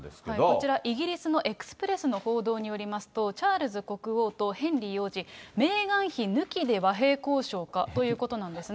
こちら、イギリスのエクスプレスの報道によりますと、チャールズ国王とヘンリー王子、メーガン妃抜きで和平交渉かということなんですね。